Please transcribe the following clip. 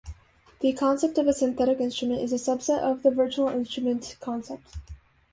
The concept of a synthetic instrument is a subset of the virtual instrument concept.